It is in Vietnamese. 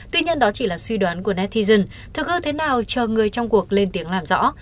tuy nhiên đó chỉ là suy đoán của netthyson thực hư thế nào chờ người trong cuộc lên tiếng làm rõ